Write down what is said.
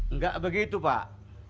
enggak begitu pak